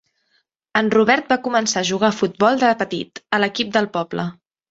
En Robert va començar a jugar a futbol de petit, a l'equip del poble.